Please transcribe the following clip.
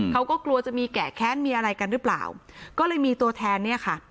เขาก็กลัวจะมีแกะแค้นมีอะไรกันหรือเปล่าก็เลยมีตัวแทนเนี่ยค่ะ